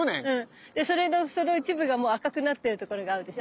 それのその一部がもう赤くなってる所があるでしょ。